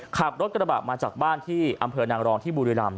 ขับรถกระบะมาจากบ้านที่อำเภอนางรองที่บุรีรำ